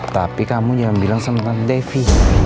tapi kamu jangan bilang sama devi